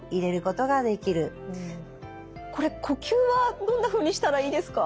これ呼吸はどんなふうにしたらいいですか？